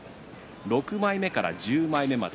６枚目から１０枚目まで。